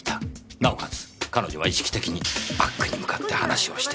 なおかつ彼女は意識的にバッグに向かって話をしていた。